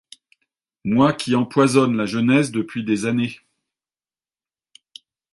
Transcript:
Moi qui empoisonne la jeunesse depuis des années !